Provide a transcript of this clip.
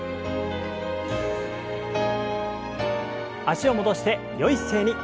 脚を戻してよい姿勢に。